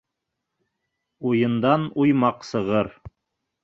Уйындан уймаҡ сығыр.